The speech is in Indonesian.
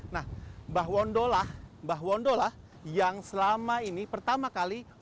nah mbah wondola yang selama ini pertama kali melakukan penghijauan